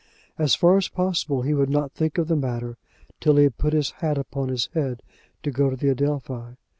As far as possible he would not think of the matter till he had put his hat upon his head to go to the Adelphi.